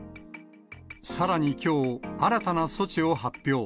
さらにきょう、新たな措置を発表。